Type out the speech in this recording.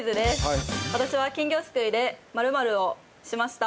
私は金魚すくいで〇〇をしました。